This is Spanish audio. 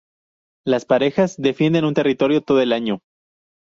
Las parejas defienden un territorio todo el año.